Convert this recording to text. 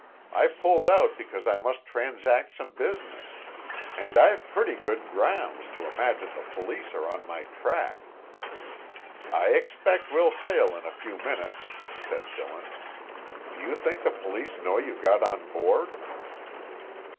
I pulled out because I must transact some business, and I've pretty good grounds to imagine the police are on my track." "I expect we'll sail in a few minutes," said Dillon. "Do you think the police know you got on board?"